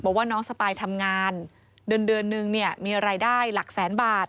บอกว่าน้องสปายทำงานเดือนเดือนนึงเนี่ยมีรายได้หลักแสนบาท